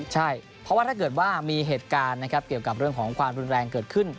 ใช่เพราะว่าถ้าเกิดว่ามีเหตุการณ์นะครับเกี่ยวกับเรื่องของความรุนแรงเกิดขึ้น